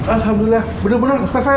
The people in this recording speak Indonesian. alhamdulillah bener bener tasnya